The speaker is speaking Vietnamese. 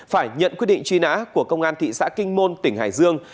phải nhận quyết định truy nã của công an thị xã kinh môn tỉnh hải dương